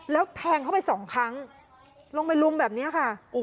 แล้วแทงเข้าไปสองครั้งลงไปลุมแบบนี้ค่ะ